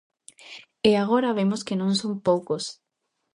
E agora vemos que non son poucos.